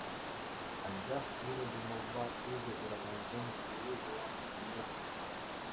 Анчах ырӑ кӑмӑлпа усӑ куракансен кулли пулас килмест...